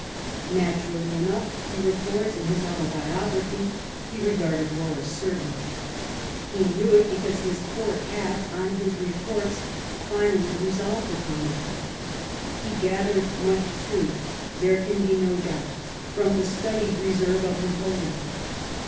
Naturally enough, he records in his Autobiography, he regarded war as certain. He knew it because his Court had, on his reports, finally resolved upon it. He gathered much, too, there can be no doubt, from the studied reserve of Napoleon.